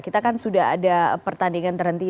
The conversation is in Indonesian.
kita kan sudah ada pertandingan terhenti